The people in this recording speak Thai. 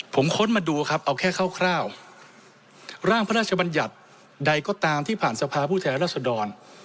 ผมค้นมาดูครับเอาแค่คร่าวร่างพระราชบัญญัติใดก็ตามที่ผ่านสภาพผู้แทนรัศดร